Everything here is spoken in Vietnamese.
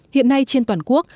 hiện nay trên toàn quốc